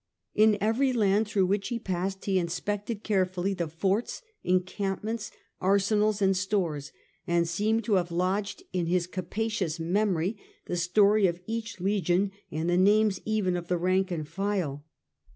In every land through which he passed he inspected carefully the forts, encampments, arsenals, and stores, and seemed to have lodged in his capacious memory the story of each legion, and the names even of the rank and file.